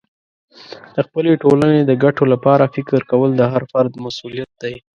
د خپلې ټولنې د ګټو لپاره فکر کول د هر فرد مسئولیت دی.